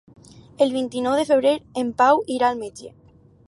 El vint-i-nou de febrer en Pau irà al metge.